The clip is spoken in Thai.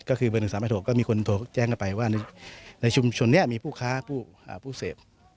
ก็คือเบอร์๑๓๖ก็มีคนโทรแจ้งกันไปว่าในชุมชนนี้มีผู้ค้าผู้เสพ